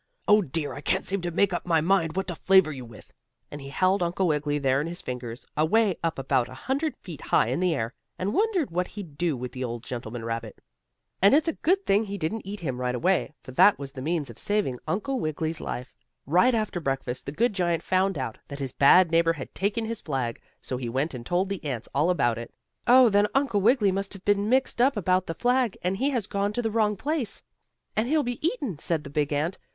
Oh, dear, I can't seem to make up my mind what to flavor you with," and he held Uncle Wiggily there in his fingers, away up about a hundred feet high in the air, and wondered what he'd do with the old gentleman rabbit. And it's a good thing he didn't eat him right away, for that was the means of saving Uncle Wiggily's life. Right after breakfast the good giant found out that his bad neighbor had taken his flag, so he went and told the ants all about it. "Oh, then Uncle Wiggily must have been mixed up about the flag, and he has gone to the wrong place, and he'll be eaten," said the big ant.